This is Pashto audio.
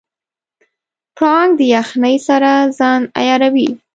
پړانګ د یخنۍ سره ځان عیاروي.